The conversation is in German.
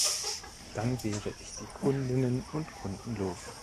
Dann wäre ich die Kundinnen und Kunden los.